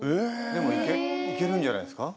でも行けるんじゃないですか？